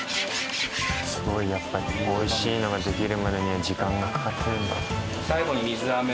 すごいやっぱり美味しいのができるまでには時間がかかってるんだ。